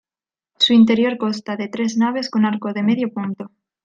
Su interior consta de tres naves con arco de medio punto.